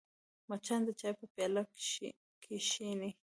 مچان د چای په پیاله کښېني